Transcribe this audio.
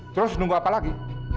terus nunggu apa lagi